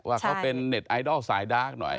ว่าเขาเป็นเน็ตไอดอลสายดาร์กหน่อย